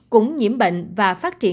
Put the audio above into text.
cũng nhiễm bệnh và phát triển